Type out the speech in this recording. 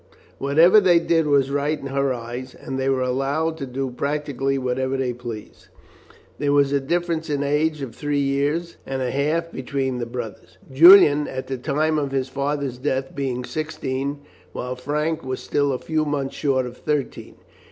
Whatever they did was right in her eyes, and they were allowed to do practically whatever they pleased. There was a difference in age of three years and a half between the brothers; Julian at the time of his father's death being sixteen, while Frank was still a few months short of thirteen.